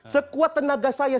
sekuat tenaga saya